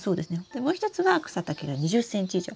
でもう一つは草丈が２０ｃｍ以上。